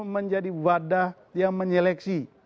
menjadi wadah yang menyeleksi